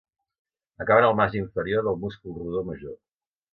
Acaben al marge inferior del múscul rodó major.